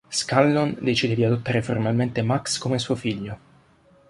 Scanlon decide di adottare formalmente Max come suo figlio.